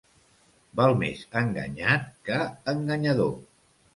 Val més enganyat que enganyador.